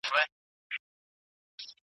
یو پل په لار کي پروت یمه پرېږدې یې او که نه